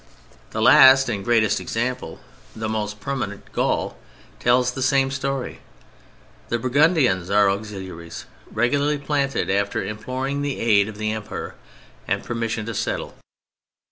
The last and greatest example, the most permanent, Gaul, tells the same story. The Burgundians are auxiliaries regularly planted after imploring the aid of the Empire and permission to settle.